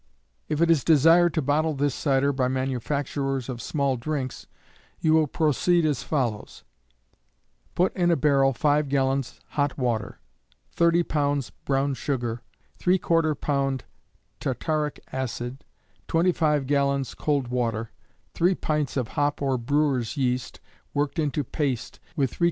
If it is desired to bottle this cider by manufacturers of small drinks, you will proceed as follows: Put in a barrel 5 gallons hot water, 30 lbs. brown sugar, ¾ lb. tartaric acid, 25 gallons cold water, 3 pints of hop or brewers' yeast worked into paste with ¾ lb.